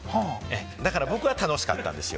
だから僕は楽しかったんですよ。